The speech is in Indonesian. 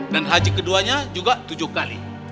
dan haji keduanya juga tujuh kali